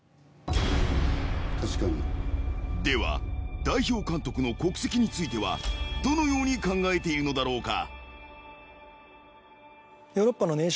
［では代表監督の国籍についてはどのように考えているのだろうか］